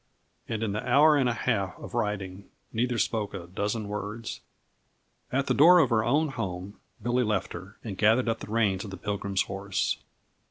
And in the hour and a half of riding, neither spoke a dozen words. At the door of her own home Billy left her, and gathered up the reins of the Pilgrim's horse.